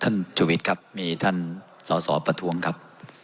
ชุวิตครับมีท่านสอสอประท้วงครับ